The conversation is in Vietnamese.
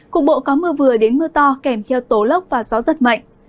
cuộc bộ có mưa vừa đến mưa to kèm theo tố lốc và gió rất mạnh